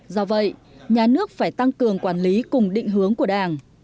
do vậy nhà nước phải tăng cường quản lý cùng định hướng của đảng